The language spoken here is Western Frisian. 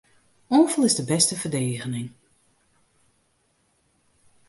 Oanfal is de bêste ferdigening.